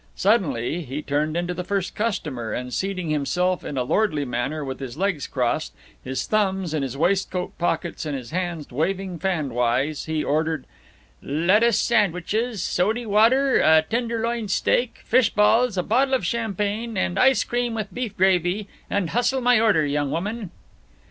Suddenly he turned into the first customer, and seating himself in a lordly manner, with his legs crossed, his thumbs in his waistcoat pockets and his hands waving fan wise, he ordered, "Lettuce sandwiches, sody water, a tenderloin steak, fish balls, a bottle of champagne, and ice cream with beef gravy, and hustle my order, young woman."